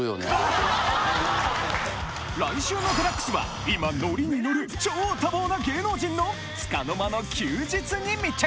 来週の『ＤＸ』は今乗りに乗る超多忙な芸能人の束の間の休日に密着！